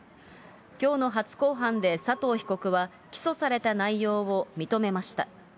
きょうの初公判で、佐藤被告は起訴された内容を認めました。